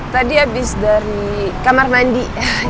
tadi habis dari kamar mandi